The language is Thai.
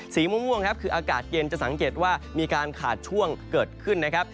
ม่วงครับคืออากาศเย็นจะสังเกตว่ามีการขาดช่วงเกิดขึ้นนะครับ